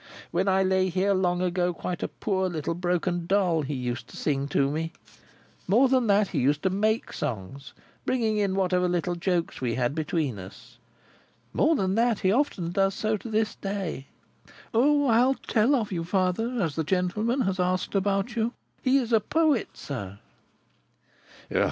When I lay here long ago, quite a poor little broken doll, he used to sing to me. More than that, he used to make songs, bringing in whatever little jokes we had between us. More than that, he often does so to this day. O! I'll tell of you, father, as the gentleman has asked about you. He is a poet, sir."